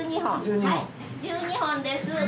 １２本です。